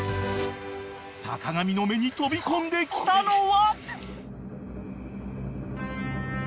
［坂上の目に飛び込んできたのは？］